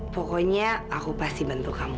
pokoknya aku pasti bentuk kamu